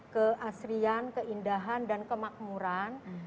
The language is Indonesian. keasrian keindahan dan kemakmuran